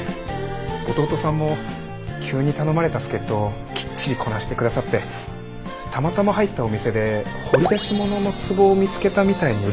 弟さんも急に頼まれた助っ人をきっちりこなして下さってたまたま入ったお店で掘り出し物のつぼを見つけたみたいにうれしいですよ。